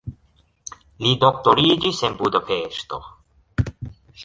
Li doktoriĝis en Budapeŝto.